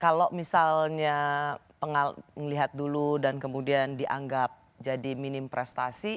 kalau misalnya melihat dulu dan kemudian dianggap jadi minim prestasi